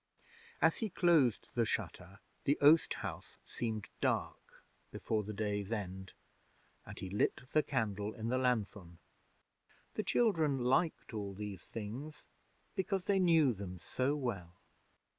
As he closed the shutter, the oast house seemed dark before the day's end, and he lit the candle in the lanthorn. The children liked all these things because they knew them so well.